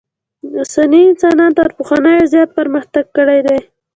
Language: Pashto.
اوسني انسانانو تر پخوانیو زیات پرمختک کړی دئ.